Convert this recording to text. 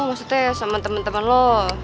maksudnya sama temen temen lo